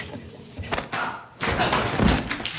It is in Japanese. あっ！